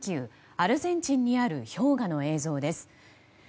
アルゼンチンにある氷河の映像です。